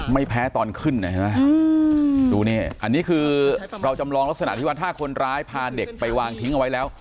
ไม่แพ้ตอนขึ้นใช่ไหมดูนี่อันนี้คือเราจำลองลักษณะที่ว่าถ้าคนร้ายพาเด็กไปวางทิ้งเอาไว้แล้ว